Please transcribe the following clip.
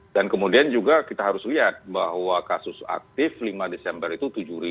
dan kemudian juga kita harus lihat bahwa kasus aktif lima desember itu tujuh lima ratus dua puluh enam